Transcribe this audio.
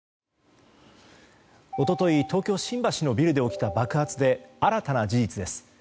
一昨日東京・新橋で起きた爆発で、新たな事実です。